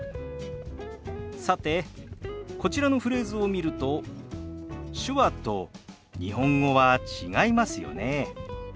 さてこちらのフレーズを見ると手話と日本語は違いますよね。